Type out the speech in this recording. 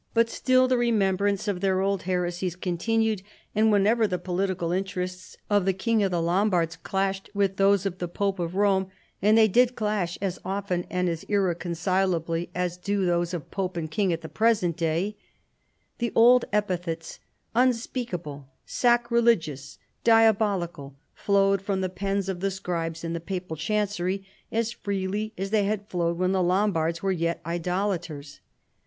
But still the remem brance of their old heresies continued, and whenever the political interests of the King of the Lombards clashed with those of the Pope of Rome — and they did clash as often and as irreconcilably as do those of pope and king at the present day — the old epithets " unspeakable," " sacrilegious," " diabol ical," flowed from the pens of the scribes in the papal chancery as freely as they had flowed when the Lombards were yet idolaters.